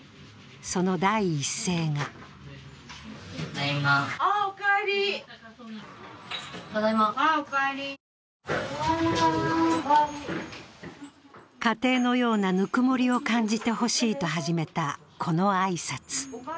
その第一声が家庭のようなぬくもりを感じてほしいと始めた、この挨拶。